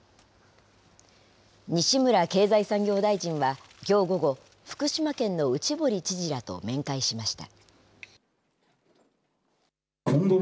西村経済産業大臣はきょう午後、福島県の内堀知事らと面会しました。